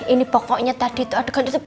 ini pokoknya tadi itu adegan itu